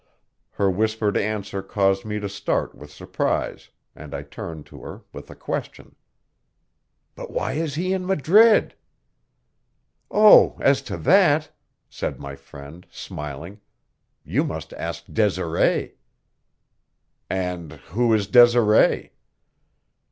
Her whispered answer caused me to start with surprise, and I turned to her with a question. "But why is he in Madrid?" "Oh, as to that," said my friend, smiling, "you must ask Desiree." "And who is Desiree?"